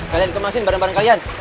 kalian kemasin barang barang kalian